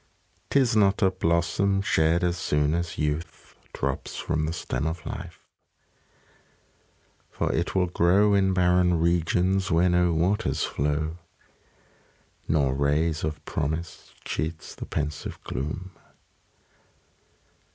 'Tis not a blossom, shed as soon as youth Drops from the stem of lifeâ for it will grow In barren regions, where no waters flow. Nor ray of promise cheats the pensive gloom.